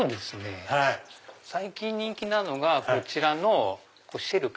最近人気なのがこちらのシェル。